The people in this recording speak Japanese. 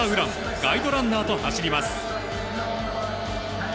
ガイドランナーと走ります。